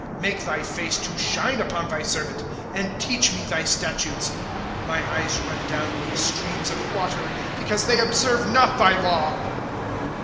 ' Make thy face to shine upon thy servant, And teach me thy statutes. ' My eyes run down with streams of water, Because they observe not thy law.